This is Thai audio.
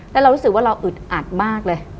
แล้วเรารู้สึกว่าเราอึดอัดมากเลย